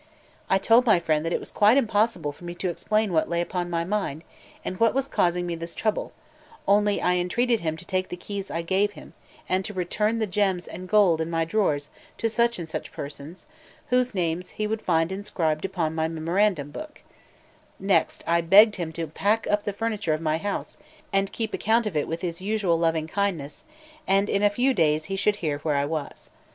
I told my friend that it was quite impossible for me to explain what lay upon my mind, and what was causing me this trouble; only I entreated him to take the keys I gave him, and to return the gems and gold in my drawers to such and such persons, whose names he would find inscribed upon my memorandum book; next, I begged him to pack up the furniture of my house, and keep account of it with his usual loving kindness; and in a few days he should hear where I was.